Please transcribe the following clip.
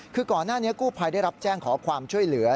คือก่อนหน้านี้กู้ภัยได้รับแจ้งขอความช่วยเหลือ